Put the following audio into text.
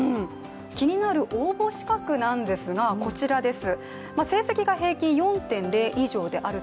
気になる応募資格なんですがこちらです。